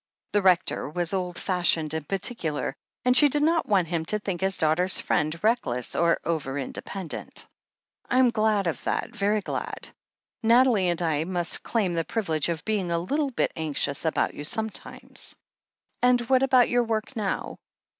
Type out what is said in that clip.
The Rector was old fashioned and particular, and she did not want him to think his daughter's friend reckless or overindependent. "I'm glad of that — ^very glad. Nathalie and I must claim the privilege of being a little bit anxious about you sometimes. And what about your work, now?"